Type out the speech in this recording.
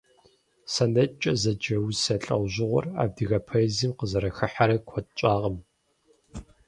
СонеткӀэ зэджэ усэ лӀэужьыгъуэр адыгэ поэзием къызэрыхыхьэрэ куэд щӀакъым.